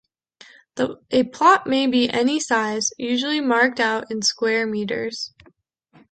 A plot may be any size, usually marked out in square meters.